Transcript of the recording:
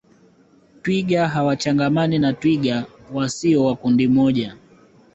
Twiga hawachangamani na twiga wasio wa kundi moja